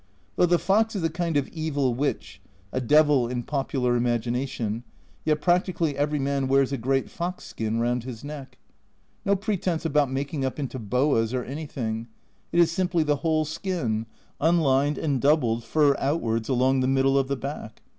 Though the fox is a kind of evil witch, a devil in popular imagination, yet practically every man wears a great fox skin round his neck. No pretence about making up into "boas" or any thing : it is simply the whole skin, unlined, and doubled, fur outwards, along the middle of the back.